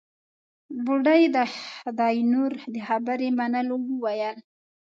بوډۍ د خداينور د خبرې منلو وويل.